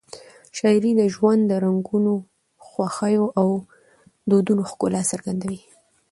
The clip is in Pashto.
شاعري د ژوند د رنګونو، خوښیو او دردونو ښکلا څرګندوي.